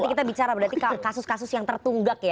nanti kita bicara berarti kasus kasus yang tertunggak ya